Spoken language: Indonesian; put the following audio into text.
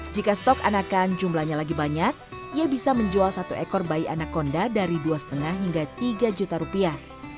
jika stok anakan jumlahnya lagi banyak ia bisa menjual satu ekor bayi anak konda dari dua lima hingga tiga juta rupiah